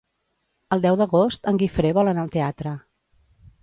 El deu d'agost en Guifré vol anar al teatre.